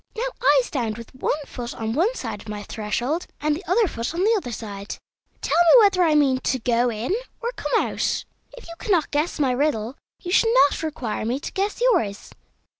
Now I stand with one foot on one side my threshold and the other foot on the other side; tell me whether I mean to go in or come out. If you cannot guess my riddle, you should not require me to guess yours."